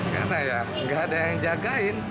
karena ya nggak ada yang jagain